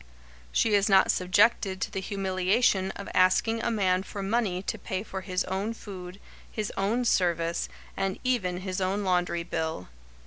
She is not subjected to the humiliation of asking a man for money to pay for his own food, his own service, and even his own laundry bill.